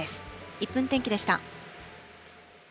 １分天気でした。